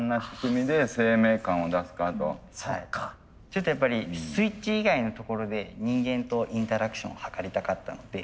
ちょっとやっぱりスイッチ以外のところで人間とインタラクションを図りたかったので。